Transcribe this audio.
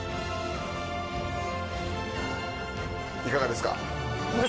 いかがですか？